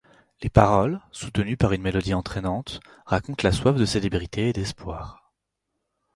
Les paroles, soutenues par une mélodie entraînante, racontent la soif de célébrité et d'espoir.